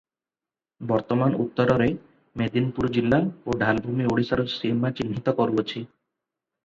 ବର୍ତ୍ତମାନ ଉତ୍ତରରେ ମେଦିନୀପୁର ଜିଲ୍ଲା ଓ ଢ଼ାଲଭୂମ ଓଡ଼ିଶାର ସୀମା ଚିହ୍ନିତ କରୁଅଛି ।